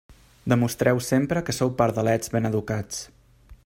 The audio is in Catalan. Demostreu sempre que sou pardalets ben educats.